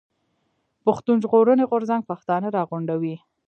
پښتون ژغورني غورځنګ پښتانه راغونډوي.